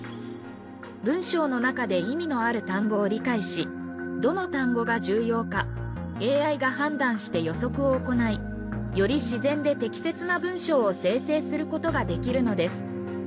文章の中で意味のある単語を理解しどの単語が重要かＡＩが判断して予測を行いより自然で適切な文章を生成することができるのです。